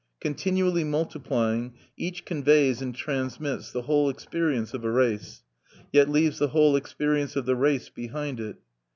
Continually multiplying, each conveys and transmits the whole experience of a race; yet leaves the whole experience of the race behind it.